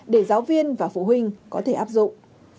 để giáo viên và phụ huynh có thể áp dụng